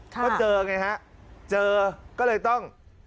ก็เจอไงฮะเจอก็เลยต้อง